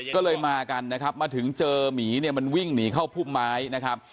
ก็เลยมากันนะครับมาถึงเจอหมีเนี่ยมันวิ่งหนีเข้าพุ่มไม้นะครับ